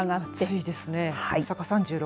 暑いですね。